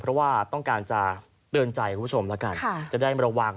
เพราะว่าต้องการจะเตือนใจคุณผู้ชมแล้วกันจะได้ระวัง